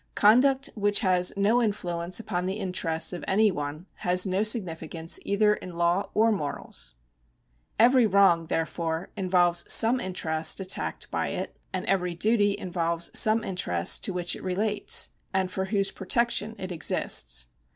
Conduct which has no influence upon the interests of any one has no significance either in law or morals. Every wrong, therefore, involves some interest attacked by it, and every duty involves some interest to which it relates, and for whose protection it exists.